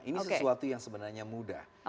ini sesuatu yang sebenarnya mudah